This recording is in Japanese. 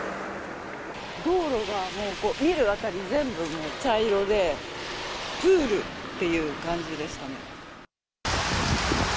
道路がもう見える辺り全部茶色で、プールっていう感じでしたね。